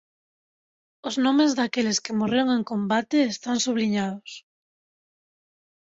Os nomes daqueles que morreron en combate están subliñados.